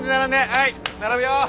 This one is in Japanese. はい並ぶよ！